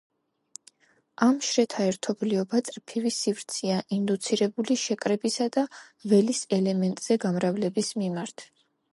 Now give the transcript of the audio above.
ამ შრეთა ერთობლიობა წრფივი სივრცეა ინდუცირებული შეკრებისა და ველის ელემენტზე გამრავლების მიმართ.